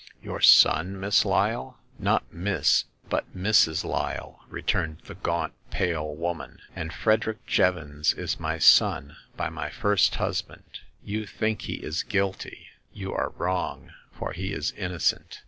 Your son. Miss Lyle ?"" Not Miss, but Mrs., Lyle," returned the gaunt, pale woman ;and Frederick Jevons is my son by my first husband. You think he is guilty ; you are wrong, for he is innocent.